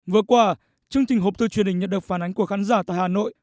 vừa qua chương trình hộp thư truyền hình nhận được phản ánh của khán giả tại hà nội